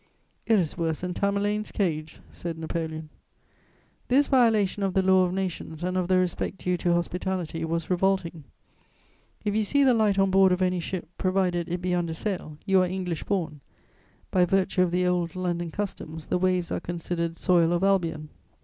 "It is worse than Tamerlane's cage," said Napoleon. [Sidenote: Ordered to St. Helena.] This violation of the Law of Nations and of the respect due to hospitality was revolting. If you see the light on board of any ship, provided it be under sail, you are English born; by virtue of the old London customs, the waves are considered _soil of Albion.